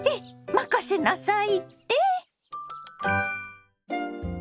任せなさいって？